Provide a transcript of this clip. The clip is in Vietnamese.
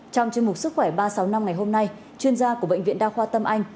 trong chuyên mục sức khỏe ba sáu năm ngày hôm nay chuyên gia của bệnh viện đa khoa tâm anh